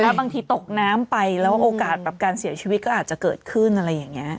บางทีตกน้ำไปแล้วโอกาสแบบการเสียชีวิตก็อาจจะเกิดขึ้นอะไรอย่างนี้